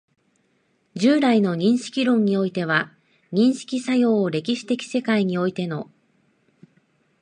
従来の認識論においては、認識作用を歴史的世界においての